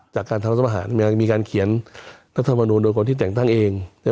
จากการทำรัฐประหารมีการเขียนรัฐมนูลโดยคนที่แต่งตั้งเอง